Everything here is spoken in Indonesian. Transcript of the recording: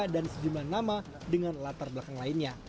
dan sejumlah nama dengan latar belakang lainnya